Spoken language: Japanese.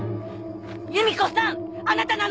夕美子さんあなたなの！？